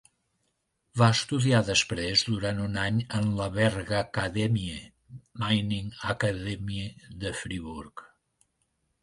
Va estudiar després durant un any en la Bergakademie, Mining Academy de Friburg.